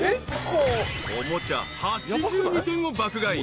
［おもちゃ８２点を爆買い。